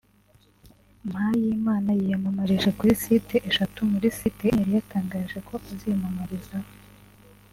Mpayimana yiyamamarije kuri site eshatu muri site enye yari yatangaje ko aziyamamarizaho